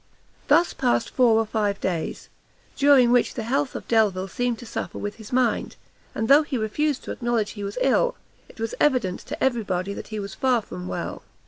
Thus passed four or five days; during which the health of Delvile seemed to suffer with his mind, and though he refused to acknowledge he was ill, it was evident to every body that he was far from well.